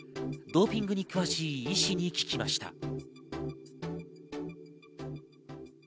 ドーピングに詳しい医師に聞きました。